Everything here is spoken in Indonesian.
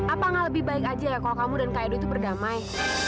apakah lebih baik aja ya kalau kamu dan kak edo itu berdamai